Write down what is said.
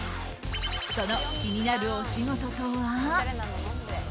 その気になるお仕事とは。